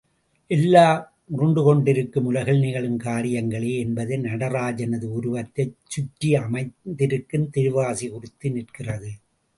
எல்லாம் உருண்டுகொண்டிருக்கும் உலகில் நிகழும் காரியங்களே என்பதை நடனராஜனது உருவத்தைச் சுற்றியமைந்திருக்கும் திருவாசி குறித்து நிற்கிறது.